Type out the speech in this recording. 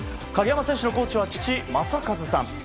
鍵山選手のコーチは父・正和さん。